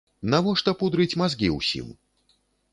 Навошта пудрыць мазгі ўсім?